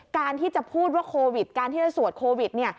การที่จะพูดว่าโควิดการที่จะสวดโควิด